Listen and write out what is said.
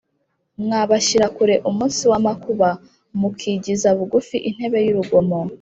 Mwa bashyira kure umunsi w’amakuba, mukigiza bugufi intebe y’urugomo